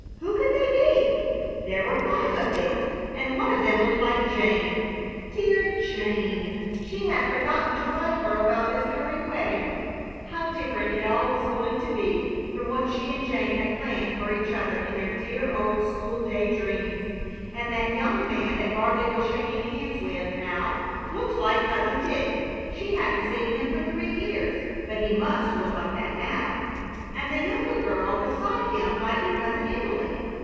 Who could they be? There were five of them, and one of them looked like Jane! Dear Jane! She had forgotten to write her about this hurried wedding. How different it all was going to be from what she and Jane had planned for each other in their dear old school day dreams! And that young man that Gardley was shaking hands with now looked like Cousin Dick! She hadn't seen him for three years, but he must look like that now; and the younger girl beside him might be Cousin Emily!